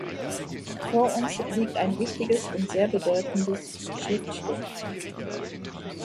Vor uns liegt ein wichtiges und sehr bedeutendes Schriftstück.